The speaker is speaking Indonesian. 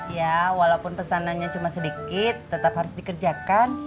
ya walaupun pesanannya cuma sedikit tetap harus dikerjakan